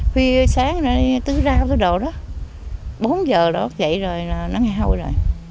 phía sáng nó tứ rao tứ đồ đó bốn giờ đó dậy rồi nó nghe hôi rồi